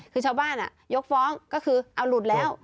คือชาวบ้านยกฟ้องก็คือเอาหลุดแล้ว